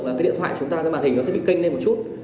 là cái điện thoại chúng ta trên màn hình nó sẽ bị kênh lên một chút